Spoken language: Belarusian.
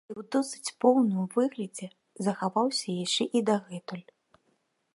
І ў досыць поўным выглядзе захаваўся яшчэ і дагэтуль.